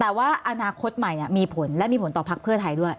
แต่ว่าอนาคตใหม่มีผลและมีผลต่อพักเพื่อไทยด้วย